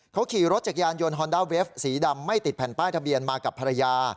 เขาขี่รถจักรยานยนต์ฮอนด้าเวฟสีดำไม่ติดแผ่นป้ายทะเบียนมากับภรรยา